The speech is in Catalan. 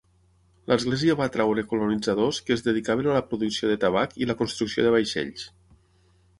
L'església va atreure colonitzadors que es dedicaven a la producció de tabac i la construcció de vaixells.